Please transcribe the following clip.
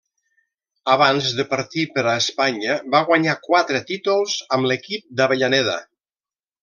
Abans de partir per a Espanya, va guanyar quatre títols amb l'equip d'Avellaneda.